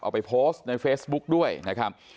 เอาไปโพสต์ในเฟซบุ๊กด้วยนะครับ